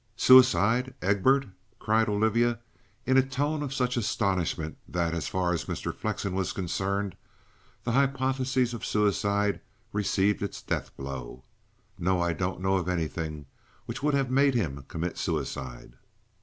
"Suicide? Egbert?" cried Olivia, in a tone of such astonishment that, as far as Mr. Flexen was concerned, the hypothesis of suicide received its death blow. "No. I don't know of anything which would have made him commit suicide."